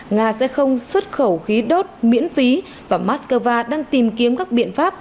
nga sẽ không xuất khẩu khí đốt miễn phí và mắc cơ va đang tìm kiếm các biện pháp